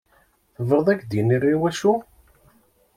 Tebɣiḍ ad k-d-iniɣ iwacu?